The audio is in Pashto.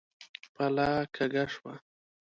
پله کږه شوه.